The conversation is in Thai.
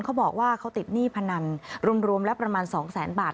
เขาบอกว่าเขาติดหนี้พนันรวมแล้วประมาณ๒แสนบาท